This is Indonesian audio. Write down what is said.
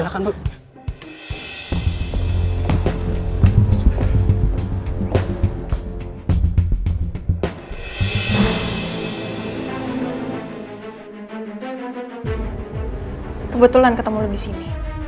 kebetulan ketemu lo disini